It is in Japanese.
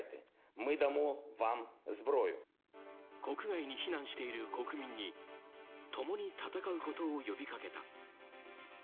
国外に避難している国民に共に戦うことを呼びかけた。